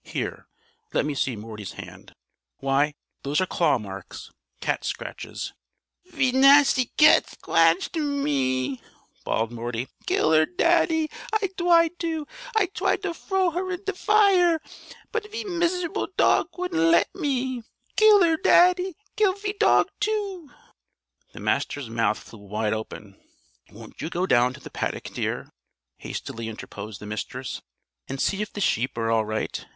Here, let me see Morty's hand. Why, those are claw marks! Cat scratches!" "Ve nassy cat scwatched me!" bawled Morty. "Kill her, daddy! I twied to. I twied to frow her in ve fire. But ve mizz'ble dog wouldn't let me! Kill her, daddy! Kill ve dog too!" The Master's mouth flew wide open. "Won't you go down to the paddock, dear," hastily interposed the Mistress, "and see if the sheep are all right?